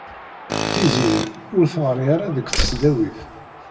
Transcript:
Tiziri ur teɣri ara deg tesdawit.